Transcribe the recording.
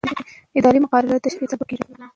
اداري مقررات د شفافیت سبب کېږي.